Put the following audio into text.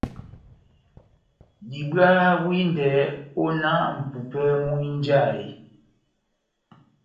Diwaha windɛ ó náh mʼpupɛ múhínjahe.